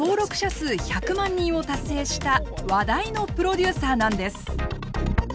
数１００万人を達成した話題のプロデューサーなんです！